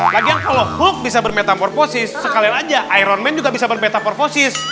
lagian kalau huluk bisa bermetamorfosis sekalian aja ironman juga bisa bermetamorfosis